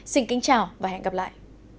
xin kính chào và hẹn gặp lại